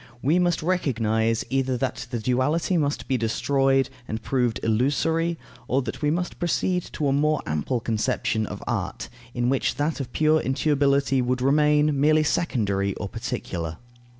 We must recognize, either that the duality must be destroyed and proved illusory, or that we must proceed to a more ample conception of art, in which that of pure intuibility would remain merely secondary or particular.